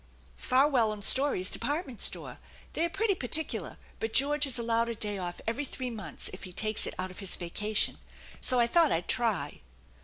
"" Farwell and Story's department store. They are pretty particular, but George is allowed a day off every three months if he takes it out of his vacation ; so I thought I'd try."